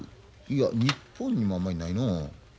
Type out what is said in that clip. いや日本にもあまりないな。